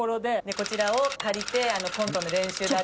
こちらを借りてコントの練習だったり。